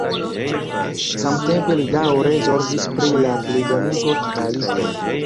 Samtempe li daŭre zorgis pri la plibonigo kvalita.